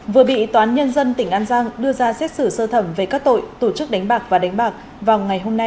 vừa bị toán nhân dân tỉnh an giang đưa ra xét xử sơ thẩm về các tội tổ chức đánh bạc và đánh bạc vào ngày hôm nay